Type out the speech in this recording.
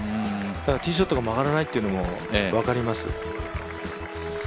ただティーショットが曲がらないというのも分かります。